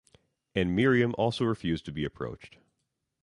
And Miriam also refused to be approached.